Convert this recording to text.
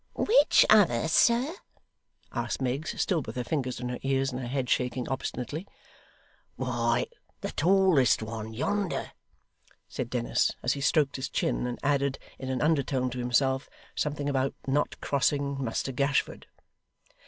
'Which other, sir?' asked Miggs still with her fingers in her ears and her head shaking obstinately. 'Why, the tallest one, yonder,' said Dennis, as he stroked his chin, and added, in an undertone to himself, something about not crossing Muster Gashford.